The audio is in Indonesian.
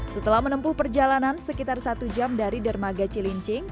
setelah menempuh perjalanan sekitar satu jam dari dermaga cilincing